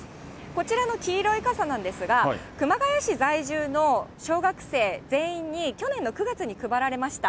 こちらの黄色い傘なんですが、熊谷市在住の小学生全員に、去年の９月に配られました。